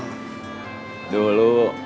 suka bikin kesel